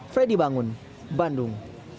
freddy bangun bandung